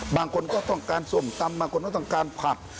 บางคนก็ต้องการส้มตำบางคนก็ต้องการผัก